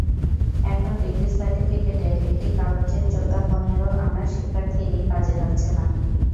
এখন ডিগ্রির সার্টিফিকেটের একটি কাগজের চোতা পনেরো আনা শিক্ষার্থীরই কাজে লাগছে না।